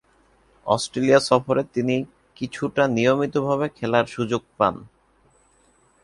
Australia সফরে তিনি কিছুটা নিয়মিতভাবে খেলার সুযোগ পান।